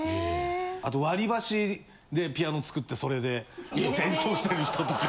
あと割りばしでピアノ作ってそれで演奏してる人とか。